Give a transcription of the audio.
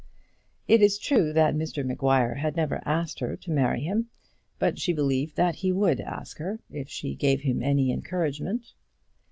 It is true that Mr Maguire had never asked her to marry him, but she believed that he would ask her if she gave him any encouragement.